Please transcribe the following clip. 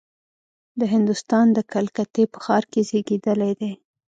د هندوستان د کلکتې په ښار کې زېږېدلی دی.